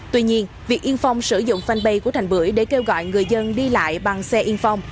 tuy nhiên việc yên phong sử dụng fanpage của thành bưởi để kêu gọi người dân đi lại bằng xe yên phong